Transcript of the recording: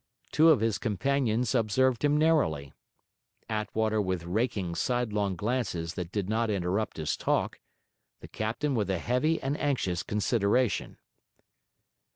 Two of his companions observed him narrowly, Attwater with raking, sidelong glances that did not interrupt his talk, the captain with a heavy and anxious consideration.